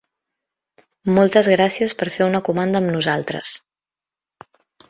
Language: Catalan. Moltes gràcies per fer una comanda amb nosaltres.